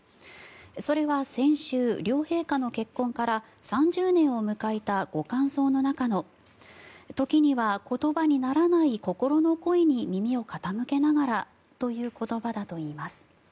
それは先週、両陛下の結婚から３０年を迎えたご感想の中の時には言葉にならない心の声に耳を傾けながらという言葉だといいます。